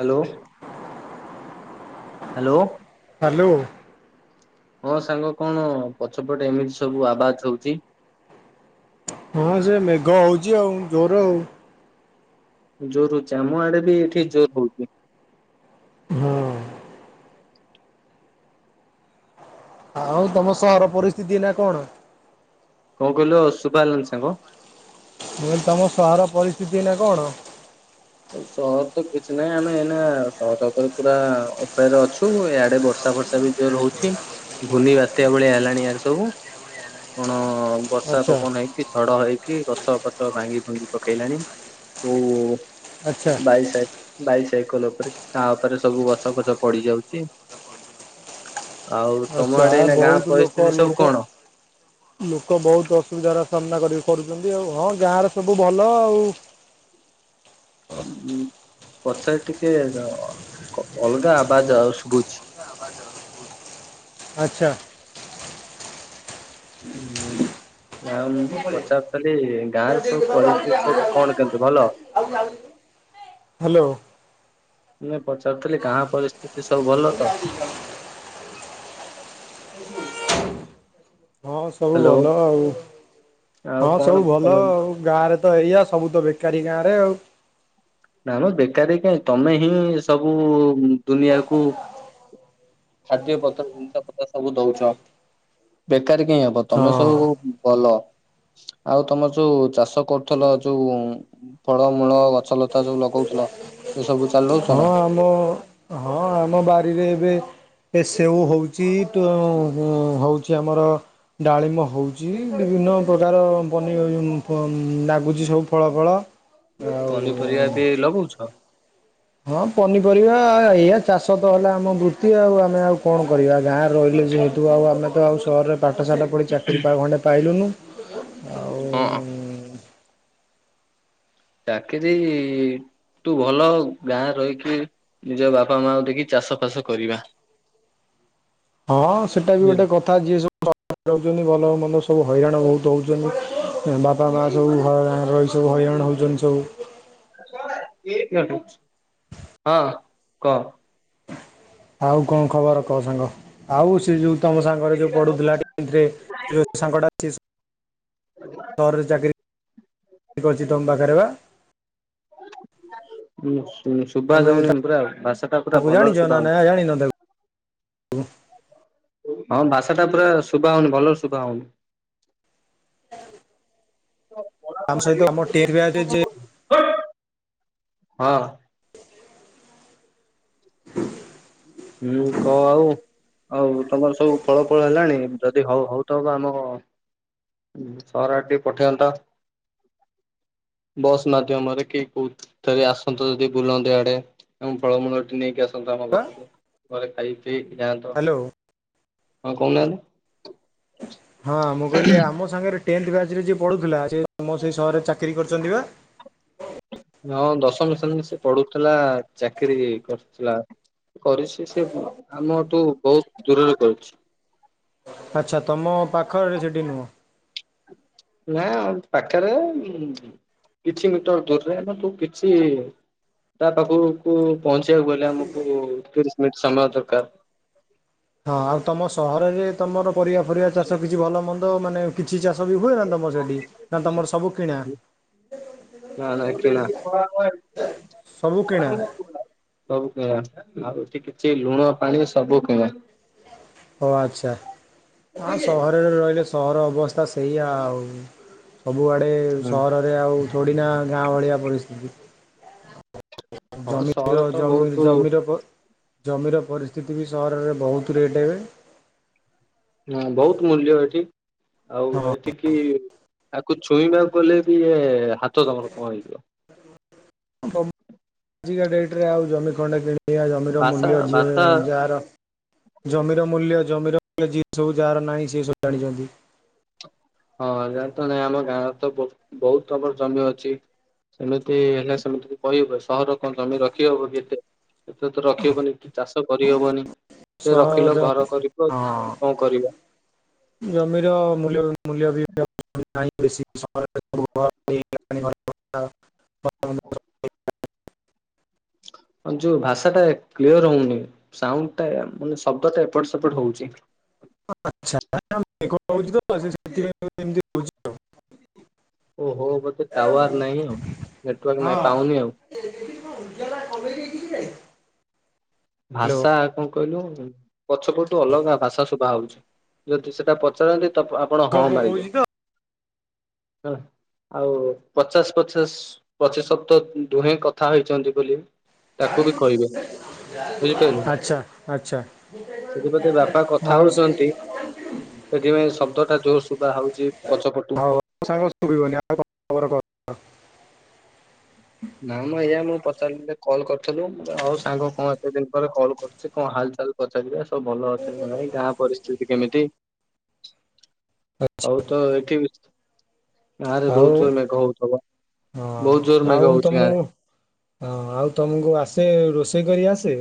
Hello. Hello. Hello. ହଁ ସାଙ୍ଗ କଣ ପଛପଟେ ଏମିତି ସବୁ ଆବାଜ ହଉଛି। ହଁ ସେ ମେଘ ହଉଛି ଆଉ ଜୋର ଜୋର ହଉଛି ଆମ ଆଡେ ବି ଏଇଠି ଜୋର ହଉଛି। ହଁ। ଆଉ ତମ ସହର ପରିସ୍ଥିତି ଏଇନା କଣ? କଣ କହିଲ ଶୁଵାଗଲାଣି ସାଙ୍ଗ? ମୁଁ କହିଲି ତମ ସହର ପରିସ୍ଥିତି ଏଇନା କଣ? ସହର ତ କିଛି ନାହିଁ ଆମେ ଏଇନା ସହର ଉପରେ ପୁରା ଉପର ଅଛୁ। ଆଡେ ବର୍ଷା ଫର୍ଷା ବି ଜୋର ରହୁଛି ଘୂର୍ଣ୍ଣ ବାତ୍ୟା ଭଳିଆ ହେଲାଣି ୟାଡ ସବୁ କଣ ହଁ ବର୍ଷା ଆଚ୍ଛା ପବନ ହେଇକି ଝଡ ହେଇକି, ହଁ ଗଛ ପଛ ଭାଙ୍ଗି ଫାଙ୍ଗି ପକେଇଲାଣି ଓ ଆଚ୍ଛା ବାଇଶ ଏକ୍ ବାଇଶ। ସାଇକଲ ଉପରେ କି କାହା ଉପରେ ସବୁ ଗଛଫଛ ପଡି ଯାଉଛି। ଆଉ ତମ ଆଛା ଆଡେ ଆ ଏଇନା ଗାଁ ବହୁତ ଲୋକ ପରିସ୍ଥିତି ସବୁ ଲୋକ ଲୋକ ବହୁତ ଅସୁବିଧାର ସାମ୍ନା କରି କରୁଛନ୍ତି। [inaudible] ଆଉ ହଁ ଗାଁଆର ସବୁ ଭଲ ଆଉ ଉଁଉଁ ଉଁ ପଛରେ ଟିକେ ଅ ଅଲଗା ଆବାଜ ଆଉ ଶୁଭୁଛି। ଆଚ୍ଛା। ହୁଁ ଉଁ। ନା ମୁଁ କଣ ପଚାରୁଥିଲି ଗାଁଆର ସବୁ ପରିସ୍ଥିତି ସବୁ କଣ କେମିତି ଭଲ? ହ୍ୟାଲୋ। ନାଇଁ ପଚାରୁିଥିଲି ଗାଁଆ ପରିସ୍ଥିତି ସବୁ ଭଲ ତ? ହଁ ସବୁ ହ୍ୟାଲୋ ଭଲ ଆଉ, ଆଉ ହଁ କଣ ସବୁ ତମ ଭଲ ଆଉ ଗାଁରେ ତ ଏଇଆ ସବୁ ତ ବେକାରୀ ଗାଁ [unintelligible] ନା ମ ବେକାରୀ କାହିଁ ତମେ ହିଁ ସବୁ ଦୁନିଆକୁ ଖାଦ୍ୟପତ୍ର ଜିନିଷପତ୍ର ସବୁ ଦଉଛ। [unintelligible] ବେକାରୀ କାହିଁ ହବ ତମେ ହଁ। ସବୁ ଭଲ ଆଉ ତମର ଯୋଉ ଚାଷ କରୁଥିଲ ଯୋଉ ଫଳମୂଳ ଗଛଲତା ଯୋଉ ଲଗଉଥିଲ ସେ ସବୁ ହଁ ଚଲଉଛନା? ଆମ ହଁ ଆମ ବାରିରେ ଏବେ ଏ ସେଉ ହେଉଛି, ତୁ ଉଉଉ ହଉଛି ଆମର ଡାଳିମ୍ବ ହେଉଛି ବିଭିନ୍ନ ପ୍ରକାରର ପନି ଲାଗୁଛି ସବୁ ଫଳଫଳ। ପନିପରିବା ବି ଲଗଉଛ? ହଁ ପନିପରିବା ଏଇଆ ଚାଷ ତ ହେଲା ଆମ ବୃତ୍ତି ଆଉ ଆମେ ଆଉ କଣ କରିବା ଗାଁରେ ରହିଲେ ଯେହେତୁ ଆଉ ଆମେ ତ ଆଉ ସହରରେ ପାଠଶାଠ ପଢ଼ି ଚାକିରି ପା ଖଣ୍ଡେ ପାଇଲୁନୁ। ହଁ। ହଁ ଚାକିରୀଈଈ ତୁ ଭଲ ଗାଁରେ ରହିକି ନିଜ ବାପାମାଙ୍କୁ ଦେଖି ଚାଷଫାସ କରିବା। ହଁ ସେଟା ବି ଗୋଟେ କଥା ଯିଏ ସବୁ ସହର କୁ ଯାଉଛନ୍ତି ଭଲ ମନ୍ଦ ସବୁ ହଇରାଣ ବହୁତ ହେଉଛନ୍ତି, ବାପା ମାଆ ସବୁ ଘର ଗାଁଆରେ ରହି ସବୁ ହଇରାଣ ହେଉଛନ୍ତି ସବୁ। ହଁ କଅ। ଆଉ କଣ ଖବର କ କହ ସାଙ୍ଗ ଆଉସ୍ ସେ ଯୋଉ ତମ ସାଙ୍ଗରେ ଯୋଉ ପଢୁଥିଲା [inaudible] ସେ ଯୋଉ ସାଙ୍ଗଟା ସେ ସହରରେ ଚାକିରି କରିଛି ତମ ପାଖରେ ପା? ଉଁ ଶୁଭା ଯାଉନି ପୁରା ଭାଷାଟା ପୁରା ଜାଣିଛ ଭଲରେ ଶୁଭା ଯାଉନି। ଉହୁଁ। ହଁ ଭାଷାଟା ପୁରା ଶୁଭା ହଉନି ଭଲରେ ଶୁଭା ହଉନି। [inaudible] ଆମ ସହିତ ଆମର ଟେର୍ [unintelligible] ଯେ ହଁ। ହୁଁ କହ ଆଉ, ଆଉ ତମର ସବୁ ଫଳଫଳ ହେଲାଣି ଯଦି ହଉ ହଉଥବ ଆମ ସହର ଆଡେ ଟିକେ ପଠାନ୍ତ, ବସ୍ ମାଧ୍ୟମରେ କି କୋଉଥିରେ ଆସନ୍ତ ଯଦି ବୁଲନ୍ତ ଏଆଡେ ଏବଂ ଫଳମୂଳ ଟିକେ ନେଇକି ଆସ୍ ନ୍ତ ଆମ ବା ପାଖକୁ। ଘରେ ଖାଇ ଦେଇ ଯାନ୍ତ ହ୍ୟାଲୋ ହଁ କହୁନାହାନ୍ତି। ହଁ ମୁଁ କହିଲି ଆମ ସାଙ୍ଗରେ ଟେନ୍ଥ ବ୍ୟାଚ ରେ ଯିଏ ପଢୁଥିଲା ସେ ତମ ସେ ସହରରେ ଚାକିରି କରୁଛନ୍ତି ପା? ହଁ ଦଶମ ଶ୍ରେଣୀ ସେ ପଢୁଥିଲା ଚାକିରିୀ କରିଥିଲା କରିଛି ସେ ଆମଠୁ ବହୁତ ଦୂରରେ କରୁଛି। ଆଚ୍ଛା ତୁମ ପାଖ ଏ ସେଇଠି ନୁହଁ? ନା ପାଖରେ କିଛି ମିଟର ଦୂରରେ ତୁ କିଛି ତା ପାଖକୁ ପହଞ୍ଚି ଯକୁ ଗଲେ ଆମକୁ ତିରିଶି ମି ସମୟ ଦରକାର। ହଁ ଆଉ ତମ ସହରରେ ତମର ପରିବା ଫରିବା ଚାଷ କିଛି ଭଲ ମନ୍ଦ ମାନେ କିଛି ଚାଷ ବି ହୁଏ ନା ତମ ସେଠି? ନା ତମର ସବୁ କିଣା ନା ନା କିଣା ସବୁ କିଣା। କିଛି ଲୁଣ ପାଣି ସବୁ କିଣା ଓ ଆଚ୍ଛା ସହରରେ ରହିଲେ ସହର ଅବସ୍ଥା ସେଇଆ ଆଉ ସବୁଆଡ଼େ ହୁଁ ସହରରେ ଆଉ ଥୋଡ଼ିନା ଗାଁ ଭଳିଆ ପରିସ୍ଥିତି। ହଁ ଜମି ସହର ତ ଜମି ବହୁତ ଜମିରପ ଜମିର ପରିସ୍ଥିତି ବି ସହରରେ ବହୁତ ରେଟ୍ ଏବେ। ହଁ ବହୁତ ମୂଲ୍ୟ ଏଠି। ଆଉ ହଁ। ଏଠିକି ତାକୁ ଛୁଇଁବାକୁ ଗଲେ ବି ଇଏ ହାତ ତମର କଣ ହେଇଯିବ। ଆଜିକା ଡେଟ୍ ରେ ଆଉ ଜମି ଖଣ୍ଡ କିଣି ଏ ଜମିର ଭାଷା ମୂଲ୍ୟ ଯିଏ ଭାଷା ଯାହାର ଜମିର ମୂଲ୍ୟ ଜମିର ଯିଏ ସବୁ ଯାହାର ନାହିଁ ସେ ସବୁ ଜାଣିଛନ୍ତି। ହଁ ଯଜ ତ ନାଇଁ ଆମ ଗାଁରେ ତ ବହୁତ କମର ଜମି ଅଛି ସେମିତି ହେଲେ ସେମିତି କହବ ସହରର କଣ ଜମି ରଖି ହବ ଏତେ ଏଥି ତ ରଖିବବନି କି ଚାଷ ତ କରିହବନି। ସେ ରଖିଲ ସହର ଘର କରିବ ହ କଣ କରିବ ଜମିର ମୂଲ୍ୟ ମୂଲ୍ୟ ବି [unintelligible] ଯୋଉ ଭାଷା ଟା କ୍ଲିୟର ହଉନି ସାଉଣ୍ଡ ଟା ମାନେ ଶବ୍ଦ ଟା ଏପଟ ସେପଟ ହଉଛି। [unintelligible] ଓ ହୋ ମତେ ଟୱାର ନାହିଁ ଆଉ ନେଟୱର୍କ ନାଇ ହ୍ୟାଲୋ ପାଉନି ଆଉ। ଭାଷା କଣ କହିଲୁ ପଛ ପଠୁ ଅଲଗା ଭାଷା ଶୁଭା ହଉଚଛି ଯଦି ସେଟା ପଚାରନ୍ତି ତ ଆପଣ ହଁ ମାରିବେ। ହ ଆଉ ପଚାଶ ପଚାଶ ପଚିଶ୍ଦ ଦୁହେଁ କଥା ହେଇଛନ୍ତି ବୋଲି [unintelligible] ବୁଝିପହିଲୁ ଆଚ୍ଛା ଆଚ୍ଛା ସେଥିପଧେ ବାପା କଥା ଆଉ ହଉଛନ୍ତି ସେଥିପାଇଁ ଶବ୍ଦ ଟା ଜୋର ସୁଧ ହଉଛି ପଛପଟୁ ହଉ ସାଙ୍ଗ ଶୁଭିବନି ଆଉ କଣ ଖବର କହ? ନା ନା ଏୟା ମୁଁ ପଚାରି କଲ କରିଥିଲୁ ଆଉ ସାଙ୍ଗ କଣ ଏତେ ଦିନ ପରେ କଲ କରିୁଛି କଣ ହାଲ ଚାଲ ପଚାରିବି ସବୁ ଭଲ ଅଛି ନାଇଁ ଗାଁ ପରିସ୍ଥିତି କେମିତି? ହଉ ତ ଏଠି ଆରେ ଆଉ ବହୁତ ଜୋର ମେଘ ହଉଥିବ ବହୁତ ଜୋର ମେଘ ହୋଉଛି। ମୁଁ ହଁ ଆଉ ତମକୁ ଆସେ ରୋଷେଇ। ପ୍ରୀଙ୍ଗରୀୟା ଆସେ।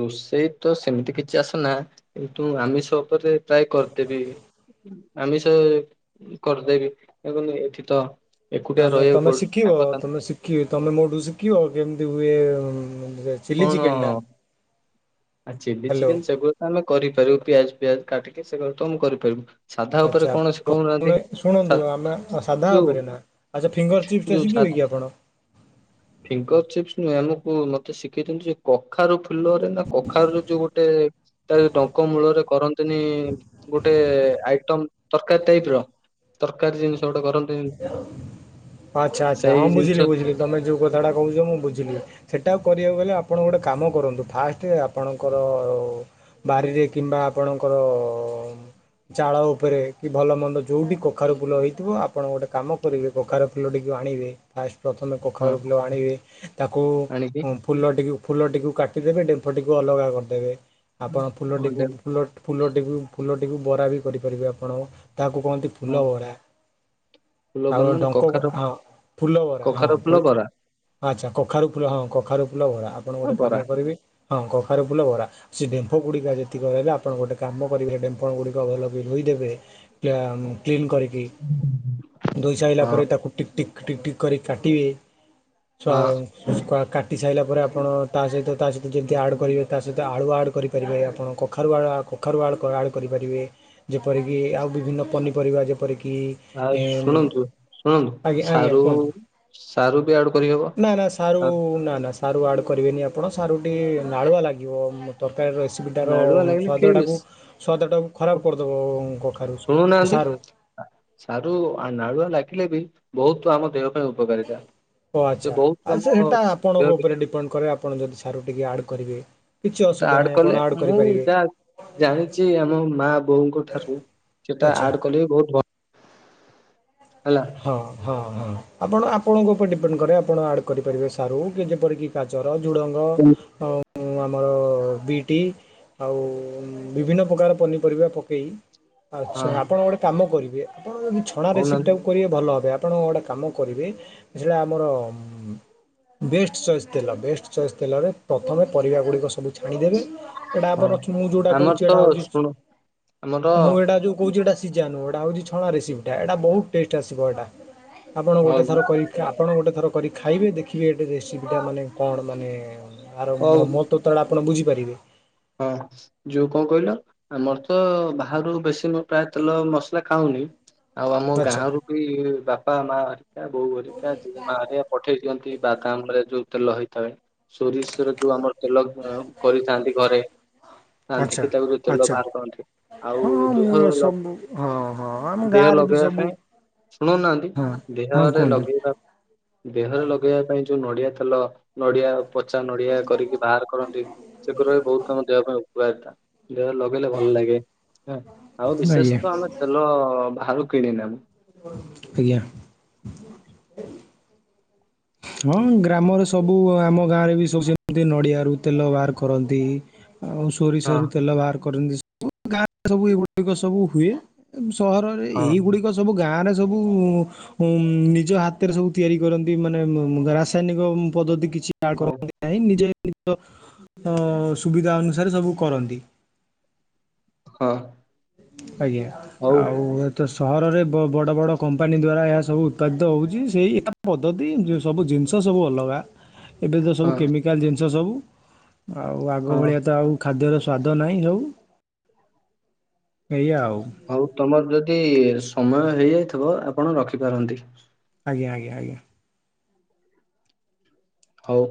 ରୋଷେଇ ତ ସେମିତି କିଛି ଆସନା କିନ୍ତୁ ଆମିଷ ଉପରେ ପ୍ରାୟ କରିଦେବି ଆମିଷ ଉ କରିଦେବି କ ଏବଂ ଏଠି ତ ଏକୁଟିଆ ତାମେ ରହିବାକୁ ତମେ ପଡୁଛି ଶିଖିବ ସାଙ୍ଗସାଥି ତମେ ଶିଖିବ ତମେ ମୋ ଠୁ ଶିଖିଲ କେମିତି ହୁଏ? ହୁଁ। ଚିଲି କଣ ଚିକେନ ଟା। ଆ ଚିଲି ହ୍ୟାଲୋ ଚିକେନ ସେଗୁ ତ ଆମେ କରିପାରିବୁ ପିଆଜ। ପିଆଜ କାଟିକି ସେ ଘ ତ ମୁଁ କରିପାରିବୁ। ସାଧା ଉପରେ ଆ୍ଛା କଣ ଶିଖଉନାହାନ୍ତି। ପ୍ରଥମେ ଛା ଶୁଣନ୍ତୁ ଆମେ ସାଧା ଯୋଉ ଉପରେ ନା ଆଚ୍ଛା ଫିଙ୍ଗର ଚିପସ ଟା ଯୋଉ ଛା ଶିଖିବେ କି ଆପଣ। ନୁଁ ଆମକୁ ମତେ ଶିଖେଇ ଦିଅନ୍ତୁ ଯେ କଖାରୁ ଫୁଲରେ ନା କଖାରୁ ର ଯୋଉ ଗୋଟେ ତାର ଟଙ୍କ ମୂଳରେ କରନ୍ତିନି ଗୋଟେ ଆଇଟମ ତରକାରୀ ଟାଇପ ର ତରକାରୀ ଜିନିଷ ଗୋଟେ କରନ୍ତି। ଆଚ୍ଛା ଆଚ୍ଛା ହଁ ସେଇ ଜିନିଷ ବୁଝିଲି ବୁଝିଲି ତମେ ଯୋଉ କଥାଟା କହୁଛ ମୁଁ ବୁଝିଲି ସେଟା କହିବାକୁ ଗଲେ ଆପଣ ଗୋଟେ କାମ କରନ୍ତୁ ଫାର୍ଷ୍ଟ ଅପଙ୍କର ବାରିରେ କିମ୍ବା ଆପଣଙ୍କର ଚାଲ ଉପରେ କିମ୍ବା ଭଲମନ୍ଦ ଯୋଉଠି କାଖରୁଫୁଲ ହେଇଥିବ। ଆପଣ ଗୋଟେ କାମ କରିବେ କଖାରୁ ଫୁଲଟିକୁ ଆଣିବେ ଫାଷ୍ଟ। ପ୍ରଥମେ ହଁ କଖାରୁ ଫୁଲ ଆଣିବେ ତାକୁ ଆଣିକି ଫୁଲ ଟିକୁ ଫୁଲଟିକୁ କାଟିଦେବେ ଡେମ୍ଫଟିକୁ ଅଲଗା କରିଦେବେ। ଆପଣ ହଁ ଫୁଲଟିକୁ ଡେ ଫୁଲଟ ଫୁଲଟିକୁ ଫୁଲଟିକୁ ବରା ବି କରିପାରିବେ ଆପଣ। ତାକୁ କୁହନ୍ତି ଫୁଲ ହଁ ବରା। ଫୁଲ ଆଉ ମାନେ ଡଙ୍କ କୁ କଖାରୁ ହଁ ଫୁଲ ଭରା ହଁ କଖାରୁ ଫୁଲ ବରା ଆଚ୍ଛା କଖାରୁ ଫୁଲ ହଁ କଖାରୁ ଫୁଲ ଭରା ଆପଣ ହଁ ଗୋଟେ କାମ ବରା କରିବେ। ହଁ କଖାରୁ ଫୁଲ ଭରା ସେ ଡେମ୍ଫ ଗୁଡ଼ିକ ଯେତିକରହିବେ ଆପଣ ଗୋଟେ କାମ କରିବେ ଡେମ୍ଫ ଗୁଡ଼ିକ ଭଲ ବି ଧୋଇଦେବେ। କାମ କ୍ଲିନ୍ କରିକି। ଧୋଇ ସାରିଲା ହଁ ପରେ ତାକୁ ଟି ଟିକ ଟିକ କରି କାଟିବେ। ହଁ କାଟ [unintelligible] ଟି ସାଇଲା ପରେ ଆପଣ ତା ସହିତ ତା ସହିତ ଯେମିତି ଆଡ଼୍ କରିବେ ତା ସହିତ ଆଳୁ ଆଡ଼୍ କରିପାରିବେ ଆପଣ କଖାରୁ ଆଳୁ କଖାରୁ ଆଡ଼ ଆଡ଼୍ କରିପାରିବେ ଯେପରିକି ଆଉ ବିଭିନ୍ନ ପନିପରିବା ଯେପରିକି କି। ଆଉ ଶୁଣନ୍ତୁ ଶୁଣନ୍ତୁ ସାରୁ କୁହନ୍ତୁ ସାରୁ ବି ଆଡ କରିହେବ। ନା ନା ସାରୁ ନା ନା ସାରୁ ଆଡ଼୍ କରିବେନି ଆପଣ ସାରୁଟି ନାଳୁଆ ଲାଗିବ ତର ରେସିପିଟ ର ନାଳୁଆ ଲାଗିଲେ କେହି ବି ସ୍ଵାଦଟାକୁ। ସ୍ୱାଦ ତାକୁ ଖରାପ କରିଦେବ। କଖାରୁ ଶୁଣୁନାହାନ୍ତି ସାରୁ ଶାର୍। ସାରୁ ନାଳୁଆ ଲାଗିଲେ ବି ବହୁତ୍ ଆମ ଦେହକୁ ଓ ଆଚ୍ଛା। ଆଛା ଆମ ସେ ସେଟା ଦେହ ଆପଣଙ୍କ ଉପରେ ଡିପେଣ୍ଡ କରେ ଆପଣ ଯଦି। ସାରୁ ଟିକେ ଆଡ୍ କରିବେ। କିଛି ସେଟା ଅସୁବିଧା ଆଡ ନାହିଁ ଆପଣ କଲେ ଆଡ଼୍ ମୁଁ କରିପାରିବେ ଯା ଜାଣିଛି ଆମ ମା ବୋଉଙ୍କ ଠାରୁ ସେଟା ଆଚ୍ଛା ଆଡ କଲେ ବି ବହୁତ ଭଲ। ହେଲା ହଁ ହଁ ହଁ। ଆପଣ ଆପଣଙ୍କ ଉପରେ ଡିପେଣ୍ଡ କରେ ଆପଣ ଆଡ କରିପାରିବେ ସାରୁ କି ଯେପରିକି ଗାଜର। ଜୁଡ଼ଙ୍ଗ ହଁ ଅ ଆମର ବିଟ୍ ଆଉ ବିଭିନ୍ନ ପ୍ରକାର ପନିପରିବା ପକେଇ। ଆଚ୍ଛା ଆପଣ ଗୋଟେ କାମ କରିବେ। [unintelligible] ଆପଣ ଯଦି ଛଣା କହୁନାହାନ୍ତି ରେସିପିଟାକୁ। ଭଲ ହେବେ ଆପଣ ଗୋଟେ କାମ କରିବେ ଜୋ ଆମର ବେଷ୍ଟ ଚଏସ୍ ତେଲ ବେଷ୍ଟ ଚଏସ୍ ତେଲରେ ପ୍ରଥମେ ପରିବା ଗୁଡିକସବୁ। ଛାଣିଦେବେ ଏଇଟା ଆପଣ ହଁ। ମୁଁ ଯୋଉଟା ଆମର କହୁଛି ତ ଏଇଟା ହଉଚି ଶୁଣ ଆମର ମୁଁ ଏଇଟା ଯୋଉ କହୁଛି ସିଜା ନୁହଁ। ଏଟା ହଉଛି ଛଣା ରେସିପଟା ଏଟା ବହୁତ୍। ଟେଷ୍ଟ ଆସିବ ଏଟା। ଆପଣ ହଉ ଗୋଟେ ଥର କରିକି ଖା ଆପଣ ଗୋଟେ ଥର କରିକି। ଖାଇବେ ଦେଖି କିଏ ଟେ ରେସିପି ଟା କଣ ମାନେ। ହଁ। ହଉ ଆରମ ମହତ୍ୱ ଟା ଆପଣ ବୁଝିପାରିବେ। ହଁ ଯୋଉ କଣ କହିଲ ଆମର ତ ବାହାରୁ ବେଶୀ ମୁଁ ପ୍ରାୟ ତେଲ ମସଲା ଖାଉନି। ଆଉ ଆମ ଆଚ୍ଛା। ଗାଁରୁ ବି ବାପା ମା ହରିକା ବୋଉ ହରିକା ଜେଜେମା ହରିକା ପଠେଇ ଦିଅନ୍ତି ବାଦାମ ରେ ଯୋଉ। ତେଲ ହେଇଥାଏ ସୋରିଷରେ ଯୋଉ ଆମର। ତେଲ ଅ କରିଥାନ୍ତି। ଘରେ ଖାଆନ୍ତି ଆଚ୍ଛା କି ତାକୁ ଯୋଉ ତେଲ ଆଚ୍ଛା ବାହାର କରନ୍ତି ହଁ ଆଉ ଦେହ ମୁଁ ଲଗେ ସବୁ ହଁ ହଁ ଆମ ଦେହରେ ଗାଁରେ ବି ଲଗେଇବା ସବୁ ପାଇଁ ଶୁଣୁନାହାନ୍ତି ହଁ ହଁ ଦେହରେ କୁହନ୍ତୁ ଲଗେଇବା ପାଇଁ ଦେହରେ ଲଗେଇବା ପାଇଁ ଯୋ ଯୋଉ ନଡିଆ ତେଲ ନଡିଆ। ପଚା ନଡିଆ କରିକି ବାହାର କରନ୍ତି ସେଗୁରା। କଣ ଦେହ ଖରାପ କୁଆ ହେଇଥିଲା ଦେହ ଲଗେଇଲେ ଭଲ ଲାଗେ ଆଉ ଆଜ୍ଞା ବିଶେଷ ତ ଆମେ ତେଲ ବାହାରୁ [unintelligible] ଆଜ୍ଞା ହଁ ଗ୍ରାମରେ ସବୁ ଆମ ଗାଁ ରେ ବି ସବୁ ନଡିଆରୁ ତେଲ ବାହାର କରନ୍ତି ଆଉ ସୋରିଷରୁ ତେଲ ବାହାର କରନ୍ତି ଗାଁରେ ସବୁ ଏଗୁଡିକ ସବୁ ହୁଏ। ସହରରେ ହଁ ଏଇ ଗୁଡିକ ସବୁ ଗାଁ ରେ ସବୁ ଉ ଉ ନିଜ ହାତରେ ସବୁ ତିଆରି କରନ୍ତି ମାନେ ରାସାୟନିକ ପଦ୍ଧତି କି କିଛି ଆଡ଼େ ହଁ କରନ୍ତି ନାହିଁ ନିଜେ ଅ ସୁବିଧା ଅନୁସାରେ ସବୁ କରନ୍ତି। [inaudible] ଆଜ୍ଞା ହଉ ଆଉ ଏ ତ ସହରରେ ବଡ଼ ବଡ଼ କମ୍ପାନୀ ଦ୍ୱାରା ଏହା ସବୁ ଉତ୍ପାଦିତ ହେଉଛି ସେଇ ଏକା ପଦ୍ଧତି ସବୁ ଜିନିଷ ସବୁ ଅଲଗା ଏବେ ତ ସବୁ ହଁ କେମିକାଲ ଜିନିଷ ଜିନିଷ ସବୁ ଆଉ ଆଗ ହଁ ଭଳିଆ ତ ଆଉ ଖାଦ୍ୟର ସ୍ୱାଦ ନାହିଁ ସବୁ ଏଇଆ ଆଉ। ଆଉ ତମର ଯଦ ଯି ସମୟ ହେଇଯାଇଥିବ ଆପଣ ରଖିପାରନ୍ତି। ଆଜ୍ଞା ଆଜ୍ଞା ଆଜ୍ଞା। ହୋଉ